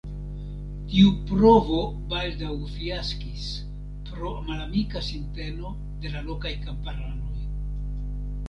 Tiu provo baldaŭ fiaskis pro malamika sinteno de la lokaj kamparanoj.